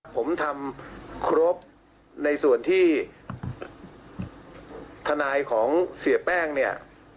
ผมทำครบในส่วนที่ทนายของเสียแป้งเนี่ย